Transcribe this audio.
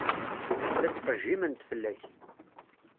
La ttqejjiment fell-ak.